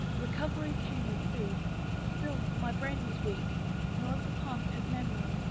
Recovery came with food: but still, my brain Was weak, nor of the past had memory.